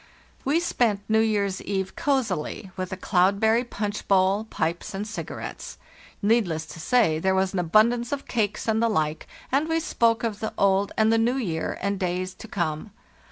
"We spent New year's eve cozily, with a cloudberry punch bowl, pipes, and cigarettes. Needless to say, there was an abundance of cakes and the like, and we spoke of the old and the new year and days to come.